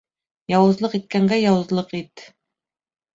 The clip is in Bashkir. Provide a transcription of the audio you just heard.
Яуызлыҡ иткәнгә яуызлыҡ ит.